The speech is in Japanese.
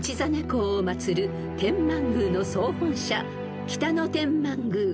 公を祭る天満宮の総本社北野天満宮］